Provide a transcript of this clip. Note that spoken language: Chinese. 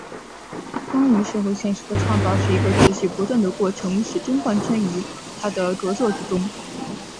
关于社会现实的创造是一个持续不断的过程始终贯穿于他的着作之中。